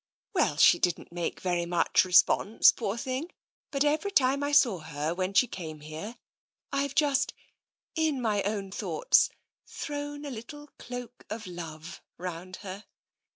" Well, she didn't make very much response, poor thing, but every time I saw her when she came here I've just, in my own thoughts, thrown a little Cloak of Love round her.